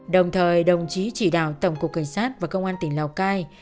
đồng thời đồng chí chỉ đạo tổng cục cảnh sát và công an tỉnh lào cai